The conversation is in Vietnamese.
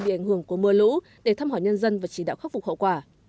bị ảnh hưởng của mưa lũ để thăm hỏi nhân dân và chỉ đạo khắc phục hậu quả